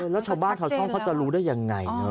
แล้วชาวบ้านช่องเขาจะรู้ได้อย่างไร